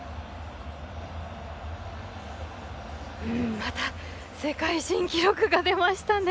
また世界新記録が出ましたね。